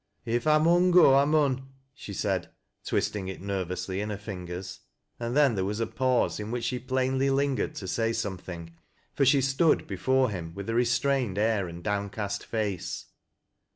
" If I mun go, I mun," she said, twisting it nervously in her fingers, and then there was a pause, in which she plainly lingered to say something, ior she stood before him with a restrained air and downcast face.